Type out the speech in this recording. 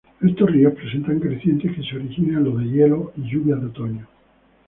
Estos ríos presentan crecientes que se originan en los deshielos y lluvias de otoño.